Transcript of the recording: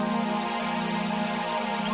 aku deh mundur tong tum